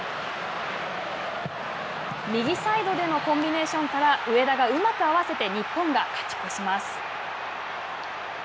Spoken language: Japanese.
右サイドでのコンビネーションから上田がうまく合わせて日本が勝ち越します。